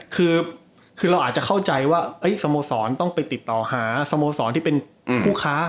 คือเราอาจจะเข้าใจว่าสโมสรต้องไปติดต่อหาสโมสรที่เป็นผู้ค้า